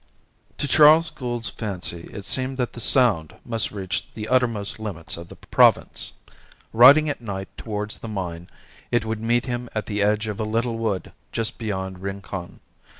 To Charles Gould's fancy it seemed that the sound must reach the uttermost limits of the province. Riding at night towards the mine, it would meet him at the edge of a little wood just beyond Rincon.